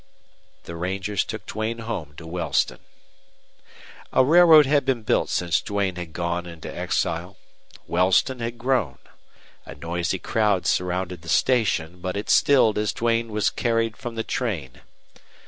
The rangers took Duane home to Wellston. A railroad had been built since Duane had gone into exile. Wellston had grown. A noisy crowd surrounded the station, but it stilled as Duane was carried from the train.